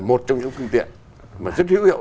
một trong những phương tiện mà rất hữu hiệu